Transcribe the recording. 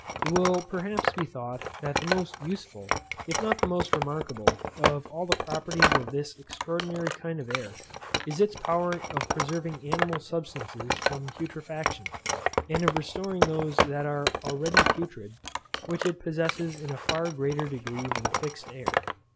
It will perhaps be thought, that the most useful, if not the most remarkable, of all the properties of this extraordinary kind of air, is its power of preserving animal substances from putrefaction, and of restoring those that are already putrid, which it possesses in a far greater degree than fixed air.